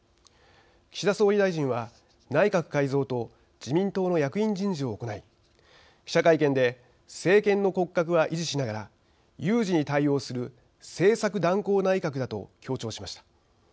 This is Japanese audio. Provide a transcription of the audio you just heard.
岸田総理大臣は、内閣改造と自民党の役員人事を行い記者会見で政権の骨格は維持しながら有事に対応する政策断行内閣だと強調しました。